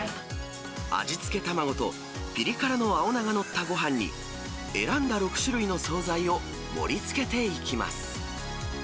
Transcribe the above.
味付け卵とぴり辛の青菜が載ったごはんに、選んだ６種類の総菜を盛りつけていきます。